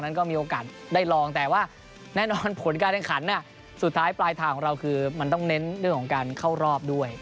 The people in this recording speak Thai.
นั้นก็มีโอกาสได้ลองแต่ว่าแน่นอนผลการแข่งขันสุดท้ายปลายทางของเราคือมันต้องเน้นเรื่องของการเข้ารอบด้วย